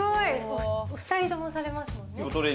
お２人ともされますもんね。